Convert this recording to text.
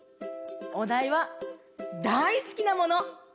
おだいは「大好きなもの」。